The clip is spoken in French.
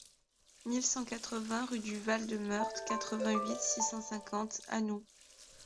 mille cent quatre-vingts rue du Val de Meurthe, quatre-vingt-huit, six cent cinquante, Anould